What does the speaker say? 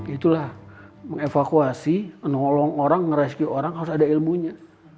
itulah mengevakuasi nolong orang ngerescue orang harus ada ilmunya